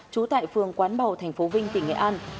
trú tại phường quán bào thành phố vinh tỉnh nghệ an